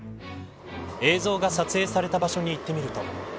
映像が撮影された場所に行ってみると。